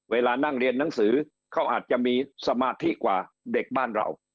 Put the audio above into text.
เวลานั่งเรียนหนังสือเขาอาจจะมีสมาธิกว่าเด็กบ้านเรา